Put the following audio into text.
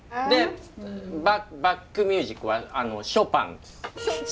でバックミュージックはショパンです。